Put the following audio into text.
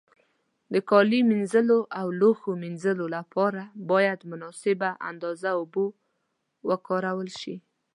د کالي مینځلو او لوښو مینځلو له پاره باید مناسبه اندازه اوبو وکارول شي.